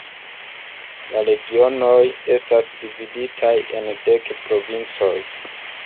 La Regionoj estas dividitaj en dek provincoj.